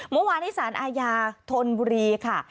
เมื่อวานนี้สารอาญาธนบุรีค่ะ